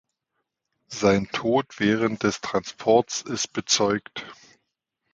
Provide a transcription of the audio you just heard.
Sein Tod während des Transports ist bezeugt.